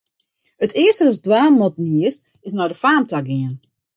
It earste datst dwaan moatten hiest, is nei de faam ta gean.